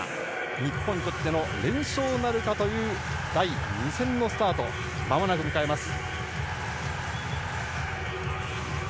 日本にとっての連勝なるかという第２戦のスタートをまもなく迎えます。